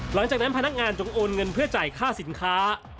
หลังจากนั้นพนักงานจงโอนเงินเพื่อจ่ายค่าสินค้า